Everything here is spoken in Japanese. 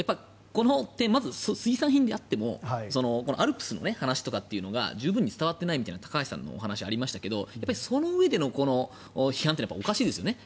水産品であってもＡＬＰＳの話とかというのが十分に伝わっていないみたいな高橋さんのお話がありましたがそのうえでのこの批判はおかしいですよね。